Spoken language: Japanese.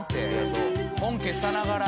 本家さながら。